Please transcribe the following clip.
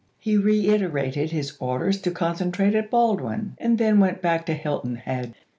He reiterated his orders to concentrate at Baldwin, and then went back to Hilton Head.